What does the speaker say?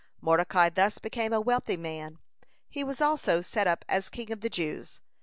(188) Mordecai thus became a wealthy man. He was also set up as king of the Jews.